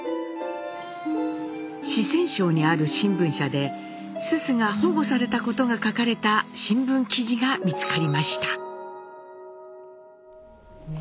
四川省にある新聞社で蘇蘇が保護されたことが書かれた新聞記事が見つかりました。